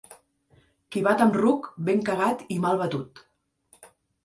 Qui bat amb ruc, ben cagat i mal batut.